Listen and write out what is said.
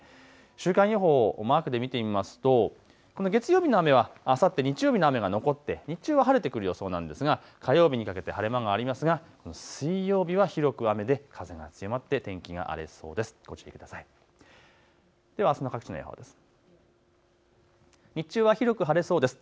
週間予報をマークで見てみますと月曜日の雨はあさって日曜日の雨が残って日中は晴れてくる予想なんですが火曜日にかけて晴れ間がありますが水曜日は広く雨で風が強まって天気が荒れそうです。